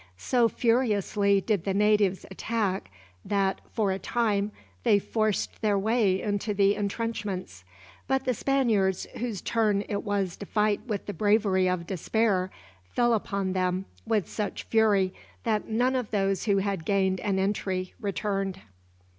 So furiously did the natives attack that, for a time, they forced their way into the entrenchments; but the Spaniards, whose turn it was to fight with the bravery of despair, fell upon them with such fury that none of those who had gained an entry returned.